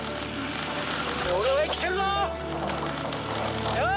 俺は生きてるぞー。